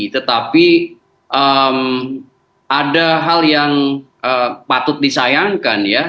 tetapi ada hal yang patut disayangkan ya